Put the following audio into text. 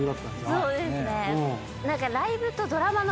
そうですね。